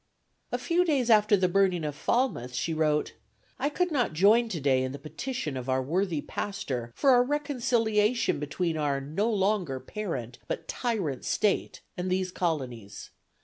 A few days after the burning of Falmouth she wrote, "I could not join today in the petition of our worthy pastor for a reconciliation between our no longer parent, but tyrant state and these colonies.